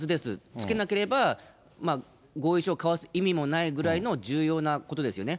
つけなければ、合意書を交わす意味もないぐらい重要なことですよね。